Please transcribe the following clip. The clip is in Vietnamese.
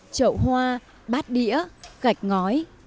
chậu hoa bát đĩa gạch ngói